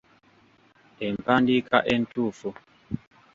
Empandiika entuufu.